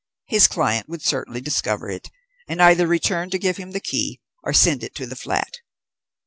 His client would certainly discover it and either return to give him the key, or send it to the flat.